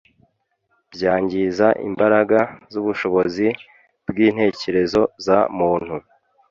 byangiza imbaraga zubushobozi bwintekerezo za muntu